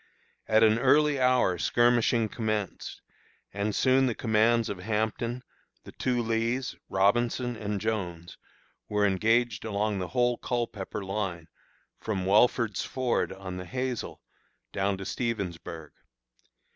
At an early hour skirmishing commenced, and soon the commands of Hampton, the two Lees, Robinson, and Jones, were engaged along the whole Culpepper line, from Welford's Ford, on the Hazel, down to Stevensburg.